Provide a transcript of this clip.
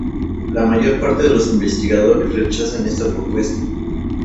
La mayor parte de los investigadores rechazan esta propuesta.